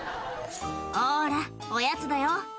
「ほらおやつだよ」